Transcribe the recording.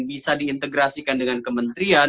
bisa diintegrasikan dengan kementerian